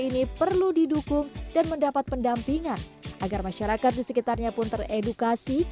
ini perlu didukung dan mendapat pendampingan agar masyarakat di sekitarnya pun teredukasi